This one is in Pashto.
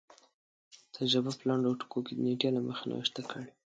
تجربه په لنډو ټکو کې د نېټې له مخې نوشته کړي.